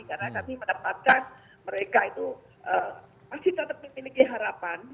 karena kami mendapatkan mereka itu masih tetap memiliki harapan